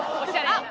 あっ！